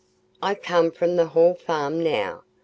"I come from the Hall Farm now.